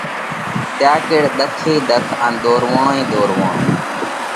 تيا ڪيڙ ۮک ئي ۮک ان ۮورووڻ ئي ۮورووڻ۔